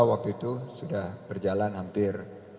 waktu itu sudah berjalan hampir